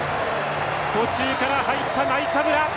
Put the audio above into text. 途中から入ったナイカブラ。